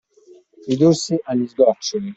Ridursi agli sgoccioli.